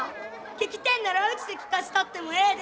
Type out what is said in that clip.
聴きてえんならうちで聴かせたってもええで。